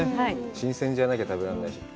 新鮮じゃなきゃ食べられないし。